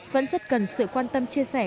vẫn rất cần sự quan tâm chia sẻ